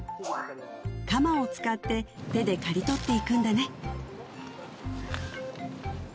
鎌を使って手で刈り取っていくんだね